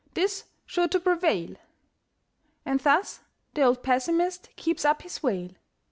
'Tis sure to prevail!" And thus the old pessimist keeps up his wail.